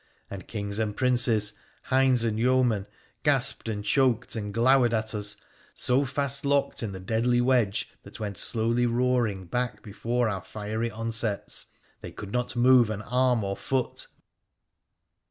And kings and princes, hinds and yeomen, gasped and choked and glowered at us, so fast locked in the deadly wedge that went slowly roaring back before our fiery onsets, they could not move an arm or foot